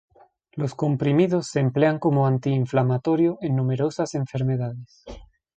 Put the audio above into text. Los comprimidos se emplean como antiinflamatorio en numerosas enfermedades.